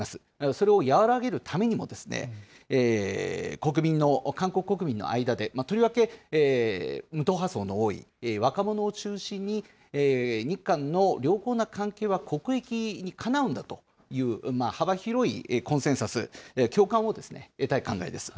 それを和らげるためにも、国民の、韓国国民の間で、とりわけ無党派層の多い若者を中心に、日韓の良好な関係は国益にかなうんだという幅広いコンセンサス、共感を得たい考えです。